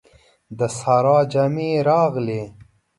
د سارا جامې راغلې.